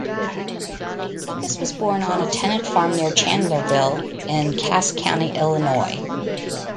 Lucas was born on a tenant farm near Chandlerville, in Cass County, Illinois.